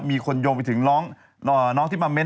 มีคนโยงไปถึงน้องที่มาเม้นต